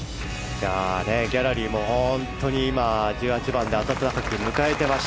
ギャラリーも本当に１８番で温かく迎えています。